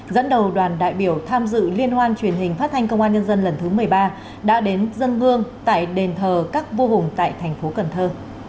dẫn đầu đoàn đại biểu tham dự liên hoan truyền hình phát thanh công an nhân dân lần thứ một mươi ba đã đến dân hương tại đền thờ các vua hùng tại thành phố cần thơ